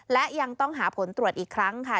และยังต้องหาผลตรวจอีกครั้งค่ะ